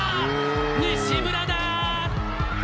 西村だ！